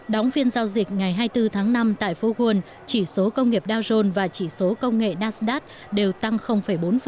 đóng phiên giao dịch ngày hai mươi bốn tháng năm tại phố quân chỉ số công nghiệp dow jones và chỉ số công nghệ nasdad đều tăng bốn